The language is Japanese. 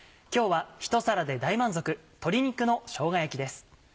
今日はひと皿で大満足「鶏肉のしょうが焼き」です。